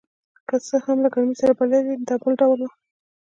که څه هم له ګرمۍ سره بلد یم، دا بل ډول وه.